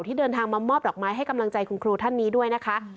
ที่เดินทางมามอบดอกไม้ให้กำลังใจคุณครูท่านนี้ด้วยนะคะ